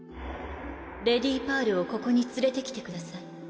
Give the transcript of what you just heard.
レディパールをここに連れてきてください。